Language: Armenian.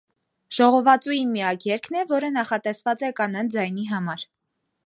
Ժողովածուի միակ երգն է, որը նախատեսված է կանանց ձայնի համար։